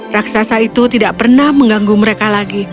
raksasa itu tidak pernah mengganggu mereka lagi